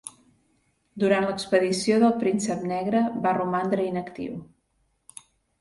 Durant l'expedició del Príncep Negre va romandre inactiu.